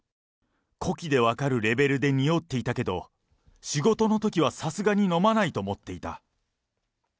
呼気で分かるレベルでにおっていたけど、仕事のときはさすがに飲まないと思っていた。